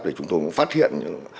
thì chúng tôi cũng phát hiện